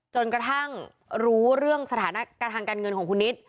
จนกระทั่งรู้เรื่องสถานการณ์ทางการเงินของคุณนิด